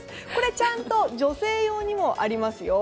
ちゃんと女性用にもありますよ。